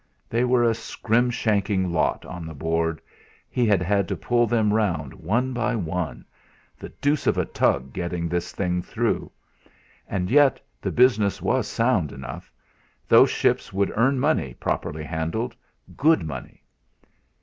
They were a scrim shanking lot on the Board he had had to pull them round one by one the deuce of a tug getting this thing through! And yet, the business was sound enough. Those ships would earn money, properly handled good money.